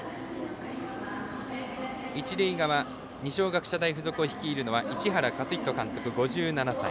一塁側二松学舎大付属を率いるのは市原勝人監督、５７歳。